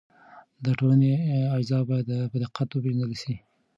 د ټولنې اجزا باید په دقت وپېژندل سي.